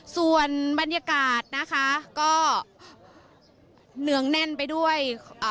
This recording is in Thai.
ส่วนบรรยากาศนะคะก็เนืองแน่นไปด้วย